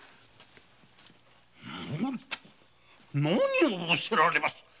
何を仰せられます。